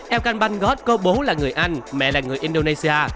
elkhan banggot có bố là người anh mẹ là người indonesia